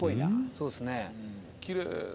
そうですね。